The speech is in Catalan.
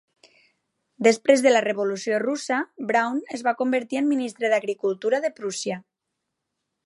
Després de la revolució russa, Braun es va convertir en Ministre d'Agricultura de Prússia.